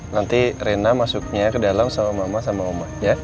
nanti rena masuknya kedalam sama mama sama oma ya